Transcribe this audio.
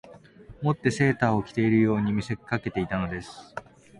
以てセーターを着ているように見せかけていたのです